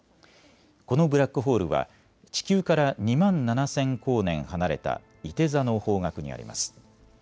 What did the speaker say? このブラックホールは地球から２万７０００光年離れたいて座の方角にあります。